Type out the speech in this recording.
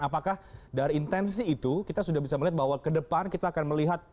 apakah dari intensi itu kita sudah bisa melihat bahwa ke depan kita akan melihat